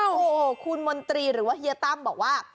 โอ้โหคุณมนตรีหรือว่าเฮียตั้มบอกว่า